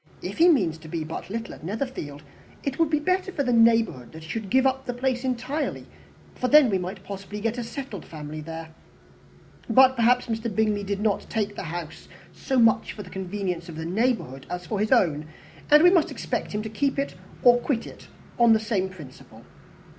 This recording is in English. "If he means to be but little at Netherfield, it would be better for the neighbourhood that he should give up the place entirely, for then we might possibly get a settled family there. But, perhaps, Mr. Bingley did not take the house so much for the convenience of the neighbourhood as for his own, and we must expect him to keep or quit it on the same principle."